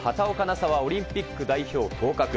紗はオリンピック代表当確。